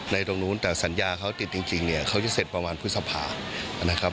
ตรงนู้นแต่สัญญาเขาติดจริงเนี่ยเขาจะเสร็จประมาณพฤษภานะครับ